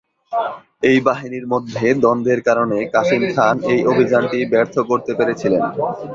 এই বাহিনীর মধ্যে দ্বন্দ্বের কারণে, কাসিম খান এই অভিযানটি ব্যর্থ করতে পেরেছিলেন।